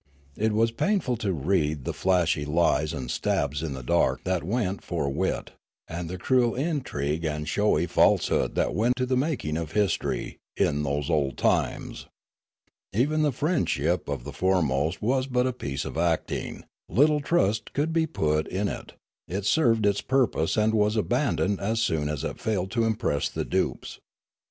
It was painful to read the flashy lies and stabs in the dark that went for wit, and the cruel intrigue and showy falsehood that went to the making of history, in those old times. Even the friendship of the foremost was but a piece of acting; little trust could be put in it; it served its purpose and was abandoned as soon as it failed to impress the dupes.